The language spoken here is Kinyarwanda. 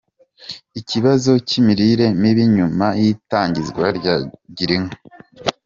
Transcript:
Ikibazo cy’imirire mibi nyuma y’itangizwa rya Girinka.